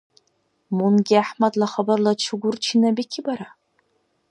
Мунги ГӀяхӀмадла хабарла чугур чина бикибара?